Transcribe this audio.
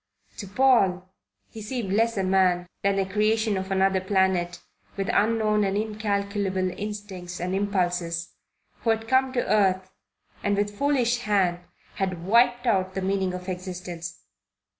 To Paul he seemed less a man than a creation of another planet, with unknown and incalculable instincts and impulses, who had come to earth and with foolish hand had wiped out the meaning of existence.